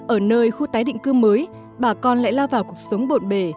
ở nơi khu tái định cư mới bà con lại lao vào cuộc sống bộn bề